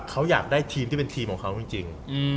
เขาอยากได้ทีมที่เป็นทีมของเขาจริง